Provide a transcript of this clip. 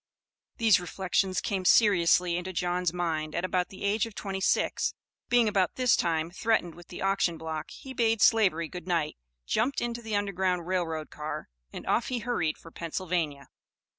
These reflections came seriously into John's mind at about the age of twenty six; being about this time threatened with the auction block he bade slavery good night, jumped into the Underground Rail Road car and off he hurried for Pennsylvania.